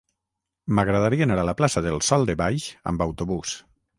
M'agradaria anar a la plaça del Sòl de Baix amb autobús.